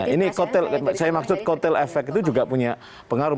ini saya maksud kotel efek itu juga punya pengaruh